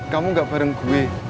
kamu gak bareng gue